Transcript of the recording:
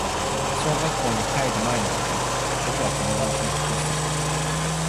小学校に入る前のことだ、僕はこの団地に引っ越してきた